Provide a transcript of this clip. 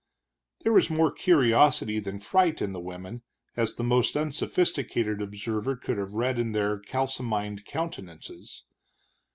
There was more curiosity than fright in the women, as the most unsophisticated observer could have read in their kalsomined countenances.